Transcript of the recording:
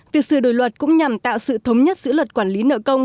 việc sửa đổi luật cũng nhằm tạo sự thống nhất giữa luật quản lý nợ công